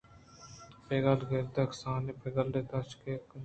پُگُل ءُ کائیِگر یک کسانیں پگُلے کہ تکش ءِ یک کُنڈے ءَ نشتگ اَت